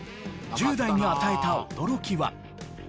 １０代に与えた驚きは？